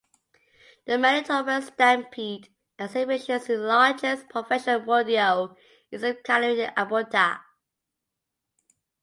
The Manitoba Stampede and Exhibition is the largest professional rodeo east of Calgary, Alberta.